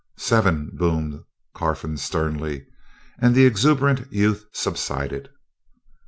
"Seven!" boomed Carfon sternly, and the exuberant youth subsided.